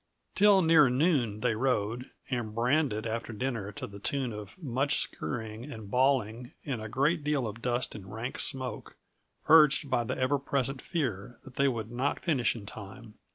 Till near noon they rode, and branded after dinner to the tune of much scurrying and bawling and a great deal of dust and rank smoke, urged by the ever present fear that they would not finish in time.